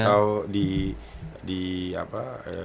atau di apa